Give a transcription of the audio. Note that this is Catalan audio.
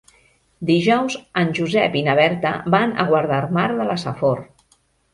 Dijous en Josep i na Berta van a Guardamar de la Safor.